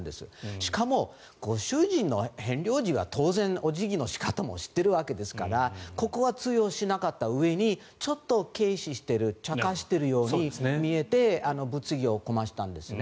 しかもご主人のヘンリー王子は当然お辞儀の仕方も知っているわけですからここは通用しなかったうえにちょっと軽視しているちゃかしているように見えて物議を醸したんですね。